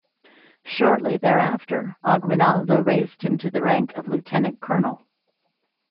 Shortly thereafter, Aguinaldo raised him to the rank of lieutenant colonel.